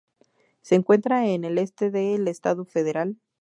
Se encuentra en el este del Estado federal.